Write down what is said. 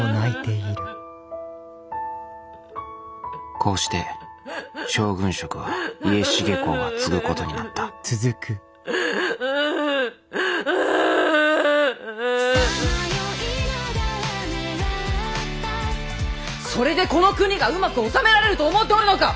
こうして将軍職は家重公が継ぐことになったそれでこの国がうまく治められると思うておるのか！